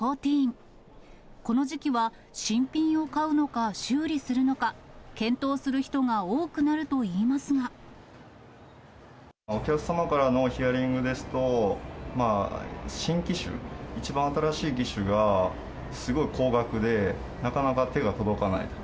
この時期は新品を買うのか、修理するのか、検討する人が多くお客様からのヒアリングですと、新機種、一番新しい機種がすごい高額で、なかなか手が届かないと。